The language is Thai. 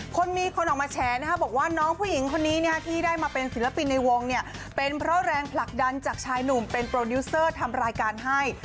คนมีคนออกมาแฉบอกว่าน้องผู้หญิงคนนี้ที่ได้มาเป็นศิลปินในวงเนี่ยเป็นเพราะแรงผลักดันจากชายหนุ่มเป็นโปรดิวเซอร์ทำรายการให้